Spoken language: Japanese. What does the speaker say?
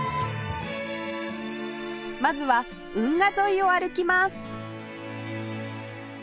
まずは運河沿いを歩きます